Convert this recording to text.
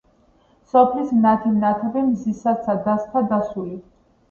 სოფლისა მნათი მნათობი, მზისაცა დასთა დასული